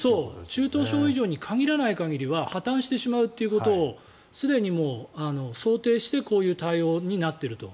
中等症以上に限らないと破たんしてしまうっていうことをすでにもう想定してこういう対応になっていると。